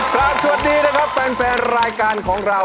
ครับสวัสดีนะครับแฟนรายการของเรา